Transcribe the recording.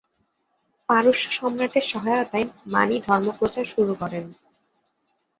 পারস্য সম্রাটের সহায়তায় মানি ধর্ম প্রচার শুরু করেন।